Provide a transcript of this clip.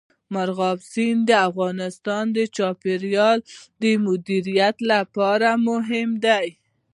مورغاب سیند د افغانستان د چاپیریال د مدیریت لپاره مهم دي.